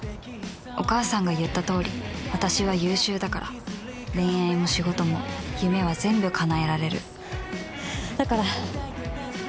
お母さんが言ったとおり私は優秀だから恋愛も仕事も夢は全部かなえられるだから。